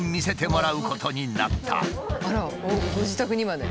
あらご自宅にまで。